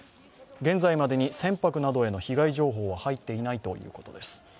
現在までに船舶などへの被害状況は入っていないということです。